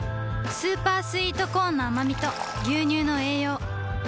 スーパースイートコーンのあまみと牛乳の栄養